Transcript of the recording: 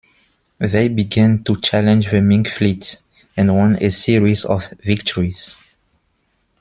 They began to challenge the Ming fleet and won a series of victories.